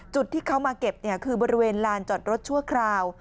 จุดที่เขามาเก็บคือบริเวณลานจอดรถชั่วคราว